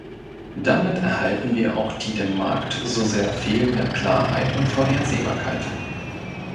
Damit erhalten wir auch die dem Markt so sehr fehlende Klarheit und Vorhersehbarkeit.